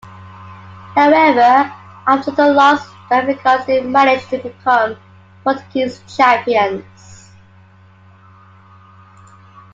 However, after the loss, Benfica still managed to become Portuguese champions.